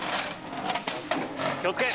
気をつけ。